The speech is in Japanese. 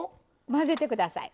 混ぜてください。